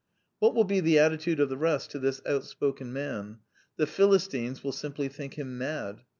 What will be the attitude of the rest to this out spoken man? The Philistines will simply think him mad.